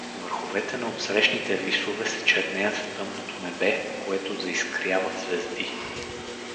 Върховете на отсрещните висове се чернеят в тъмното небе, по което заискряват звезди.